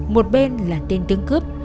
một bên là tên tướng cướp